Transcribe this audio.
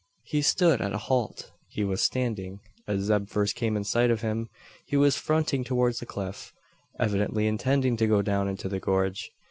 He stood at a halt. He was standing, as Zeb first came in sight of him. He was fronting towards the cliff, evidently intending to go down into the gorge.